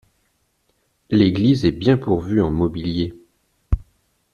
L’église est bien pourvue en mobilier.